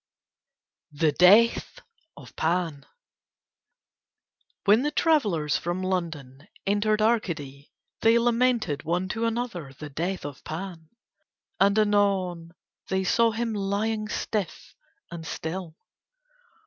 THE DEATH OF PAN When the travellers from London entered Arcady they lamented one to another the death of Pan. And anon they saw him lying stiff and still.